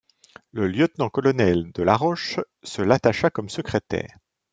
Le lieutenant-colonel de La Roche se l'attacha comme secrétaire.